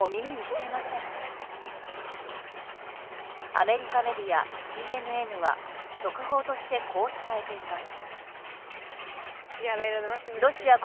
アメリカメディアＣＮＮは速報として、こう伝えています。